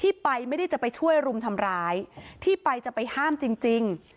ที่ไปไม่ได้จะไปช่วยรุมทำร้ายที่ไปจะไปห้ามจริงจริง